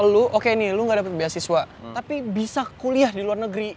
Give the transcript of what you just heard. lo oke nih lo gak dapet beasiswa tapi bisa kuliah di luar negeri